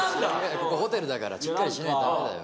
ここホテルだからしっかりしないとダメだよ